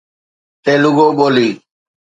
تيلوگو ٻولي